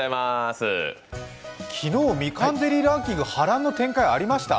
昨日、ミカンゼリーランキング、波乱ありました？